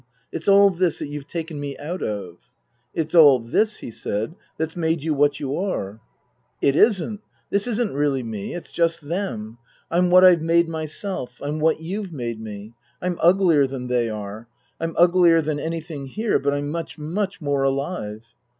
It's all this that you've taken me out of." "It's all this," he said, " that's made you what you are." " It isn't. This isn't really me. It's just Them. I'm what I've made myself. I'm what you've made me. I'm uglier than they are. I'm uglier than anything here, but I'm much, much more alive."